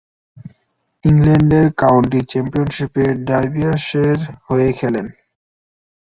ইংল্যান্ডের কাউন্টি চ্যাম্পিয়নশীপে ডার্বিশায়ারের হয়ে খেলেন।